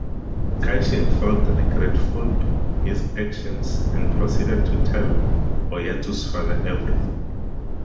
Kaishin felt regretful his actions and proceeded to tell Oyatsu's father everything.